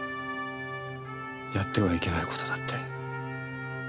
やってはいけない事だって。